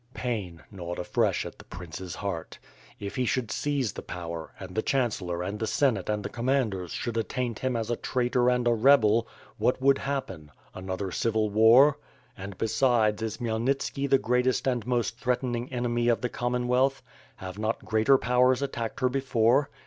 Pain gnawed afresh at the prince's heart; if he should seize the power, and the chancellor and the Senate and the 422 ^/^^ ^ittE AND SWORD. Commanders should attaint him as a traitor and a rebel — whatwould happen? Another civil war? And besides is Khmj elnitski the greatest and most threatening enemy of the Com monwealth? Have not greater powers attacked her before?